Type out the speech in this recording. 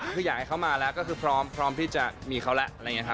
คืออยากให้เขามาแล้วก็คือพร้อมพี่จะมีเขาแล้ว